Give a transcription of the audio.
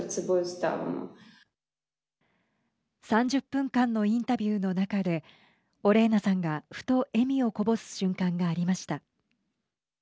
３０分間のインタビューの中でオレーナさんがふと、笑みをこぼす瞬間がありました。